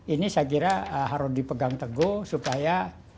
ini saya kira harus dipegang teguh supaya